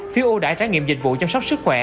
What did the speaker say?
phiêu ưu đại trải nghiệm dịch vụ chăm sóc sức khỏe